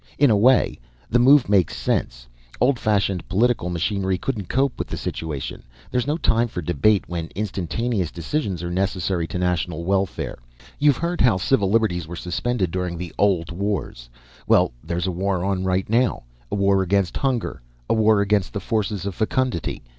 In a way, the move makes sense. Old fashioned political machinery couldn't cope with the situation; there's no time for debate when instantaneous decisions are necessary to national welfare. You've heard how civil liberties were suspended during the old wars. Well, there's a war on right now; a war against hunger, a war against the forces of fecundity.